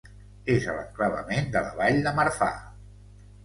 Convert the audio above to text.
És a l'enclavament de la vall de Marfà.